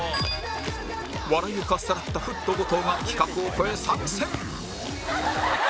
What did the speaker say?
笑いをかっさらったフット後藤が企画を超え参戦